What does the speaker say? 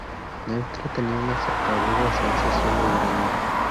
Neutra tenía una aguda sensación de ironía.